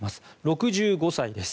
６５歳です。